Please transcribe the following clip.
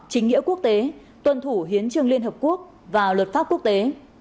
chính nghĩa quốc tế tuân thủ hiến trương liên hợp quốc và luật pháp quốc tế